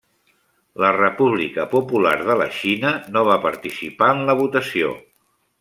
La República Popular de la Xina, no va participar en la votació.